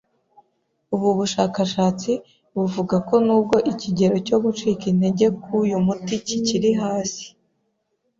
Ubu bushakashatsi buvuga ko nubwo ikigero cyo gucika intege k'uyu muti kikiri hasi